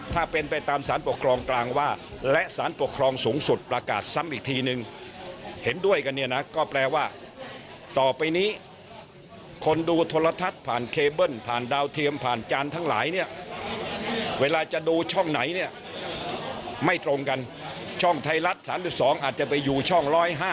ไม่ตรงกันช่องไทยรัฐ๓๒อาจจะไปอยู่ช่อง๑๐๕